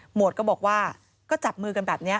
หวดก็บอกว่าก็จับมือกันแบบนี้